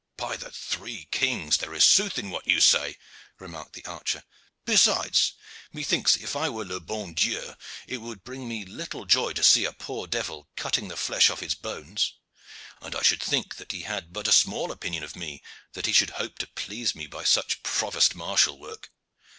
"By the three kings! there is sooth in what you say," remarked the archer. "Besides, methinks if I were le bon Dieu, it would bring me little joy to see a poor devil cutting the flesh off his bones; and I should think that he had but a small opinion of me, that he should hope to please me by such provost marshal work.